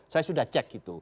saya sudah cek